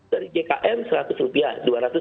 dari jkm seratus rupiah